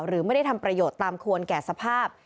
หรือไม่ได้ทำประโยชน์ตามควรแก่สภาพ